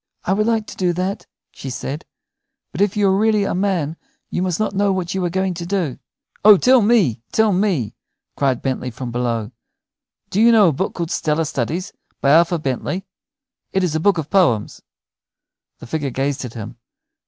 "I would like to do that," she said, "but if you are really a man you must not know what you are going to do." "Oh, tell me, tell me," cried Bentley from below, "do you know a book called 'Stellar Studies,' by Arthur Bentley? It is a book of poems." The figure gazed at him.